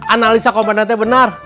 analisa komandannya benar